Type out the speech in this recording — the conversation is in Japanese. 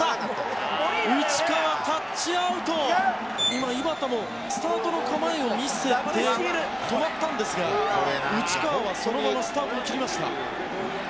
今井端もスタートの構えを見せて止まったんですが内川はそのままスタートを切りました。